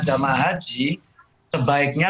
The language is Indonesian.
jamaah haji sebaiknya